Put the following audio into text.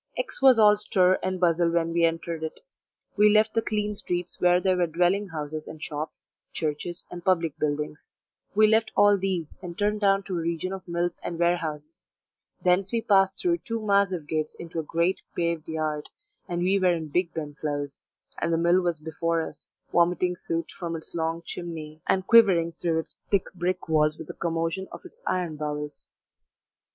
X was all stir and bustle when we entered it; we left the clean streets where there were dwelling houses and shops, churches, and public buildings; we left all these, and turned down to a region of mills and warehouses; thence we passed through two massive gates into a great paved yard, and we were in Bigben Close, and the mill was before us, vomiting soot from its long chimney, and quivering through its thick brick walls with the commotion of its iron bowels.